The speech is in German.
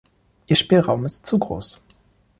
Ihr Spielraum ist zu groß.